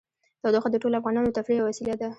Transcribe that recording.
تودوخه د ټولو افغانانو د تفریح یوه وسیله ده.